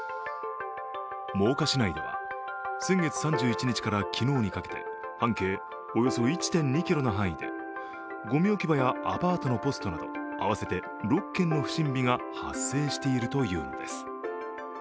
真岡市内では先月３１日から昨日にかけて半径およそ１．２ｋｍの範囲でごみ置き場やアパートのポストなど合わせて６件の不審火が発生しているというのです。